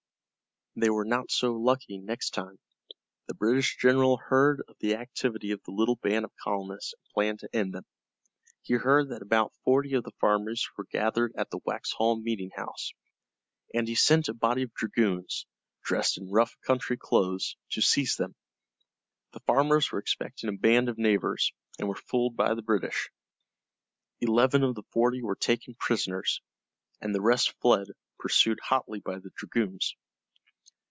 They were not so lucky next time. The British general heard of the activity of the little band of colonists and planned to end them. He heard that about forty of the farmers were gathered at the Waxhaw meeting house, and he sent a body of dragoons, dressed in rough country clothes, to seize them. The farmers were expecting a band of neighbors, and were fooled by the British. Eleven of the forty were taken prisoners, and the rest fled, pursued hotly by the dragoons.